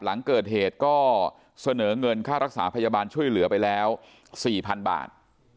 หลังเกิดเหตุก็เสนอเงินค่ารักษาพยาบาลช่วยเหลือไปแล้ว๔๐๐๐บาท